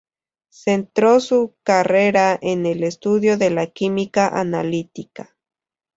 Centró su carrera en el estudio de la química analítica.